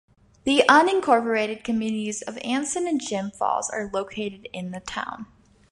The unincorporated communities of Anson and Jim Falls are located in the town.